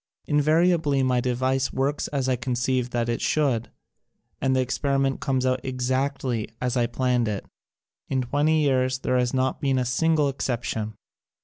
Invariably my device works as I conceived that it should, and the experiment comes out exactly as I planned it. In twenty years there has not been a single exception.